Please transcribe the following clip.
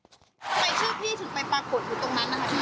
ทำไมชื่อพี่ถึงไปปรากฏอยู่ตรงนั้น